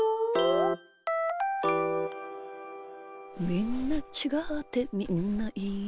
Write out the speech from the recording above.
「みんなちがってみんないいな」